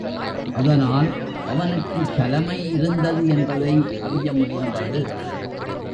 அதனால் அவனுக்குத் தலைமை இருந்தது என்பதை அறிய முடிந்தது.